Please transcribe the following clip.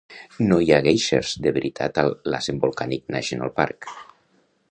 No hi ha guèisers de veritat al "Lassen Volcanic National Park".